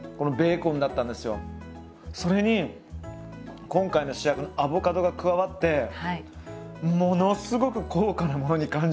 それに今回の主役のアボカドが加わってものすごく高価なものに感じてしまいます。